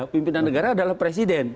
pimpinan negara adalah presiden